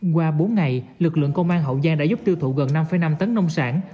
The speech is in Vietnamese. qua bốn ngày lực lượng công an hậu giang đã giúp tiêu thụ gần năm năm tấn nông sản